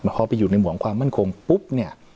พอไปอยู่ในห่วงความมั่นคงปุ๊บเนี่ย